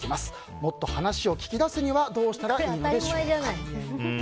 もっと話を聞きだすにはどうしたらいいのでしょうか。